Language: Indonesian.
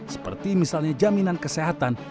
seperti misalnya jaminan kesehatan